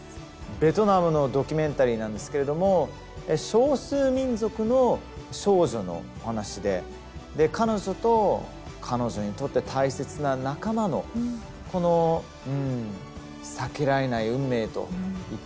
ベトナムのドキュメンタリーなんですけれども少数民族の少女のお話で彼女と彼女にとって大切な仲間のこの避けられない運命と言っていいんでしょうかね。